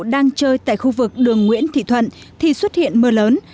đang chơi tại khu vực đường nguyễn thị thuận thì xuất hiện mưa lớn